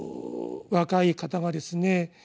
若い方がですね